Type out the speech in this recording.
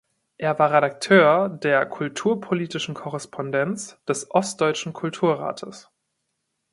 Er war Redakteur der "Kulturpolitischen Korrespondenz" des Ostdeutschen Kulturrates.